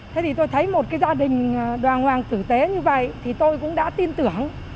thế thì tôi thấy một cái gia đình đoàn hoàng tử tế như vậy thì tôi cũng đã tin tưởng